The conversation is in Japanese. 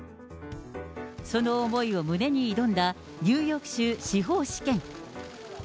その思いを胸に挑んだ、ニューヨーク州司法試験。